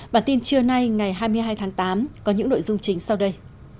bản tin trưa nay ngày hai mươi hai tháng tám có những nội dung chính sau đây